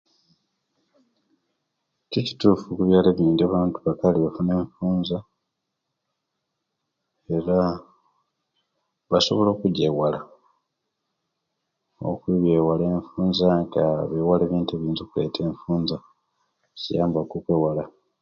Ekyo kitufu kubyaalo ebindi bakali bafuna enfunza era basobola okujewala okujewala enfunza nga bewala ebintu ebireta enfunza kiyamba ku okwewala